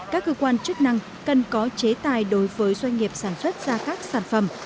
các cơ quan chức năng cần có chế tài đối với doanh nghiệp sản xuất ra các sản phẩm